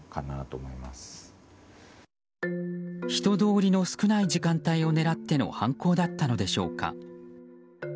人通りの少ない時間帯を狙っての犯行だったのでしょうか。